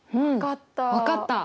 分かった！